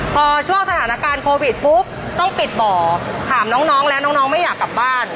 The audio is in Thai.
พอช่วงสถานการณ์โควิดปุ๊บต้องปิดบ่อถามน้องแล้วน้องไม่อยากกลับบ้าน